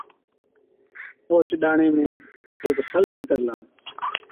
اوهچ ڏاڻي مُون هيڪ سل نِڪرلا۔